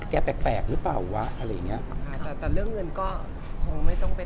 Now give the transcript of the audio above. แปลกแปลกหรือเปล่าวะอะไรอย่างเงี้ยค่ะแต่แต่เรื่องเงินก็คงไม่ต้องไป